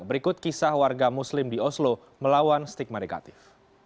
berikut kisah warga muslim di oslo melawan stigma negatif